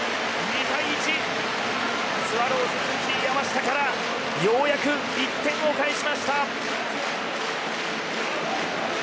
２対１、スワローズのルーキー山下からようやく１点を返しました！